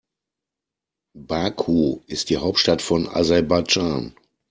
Baku ist die Hauptstadt von Aserbaidschan.